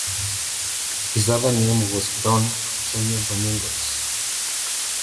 His other name was Don Antonio Domingos.